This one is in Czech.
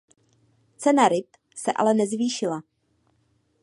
Cena ryb se ale nezvýšila.